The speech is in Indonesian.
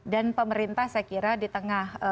dan pemerintah saya kira di tengah